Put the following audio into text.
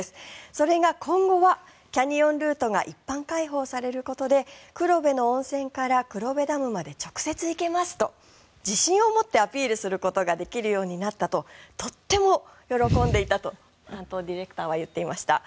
それが今後はキャニオンルートが一般開放されることで黒部の温泉から黒部ダムまで直接行けますと自信を持ってアピールすることができるようになったととても喜んでいたと担当ディレクターは言っていました。